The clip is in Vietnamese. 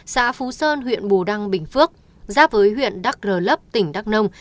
xã phú sơn huyện bù đăng bình phước giáp với huyện đắc rờ lấp tỉnh đắc nông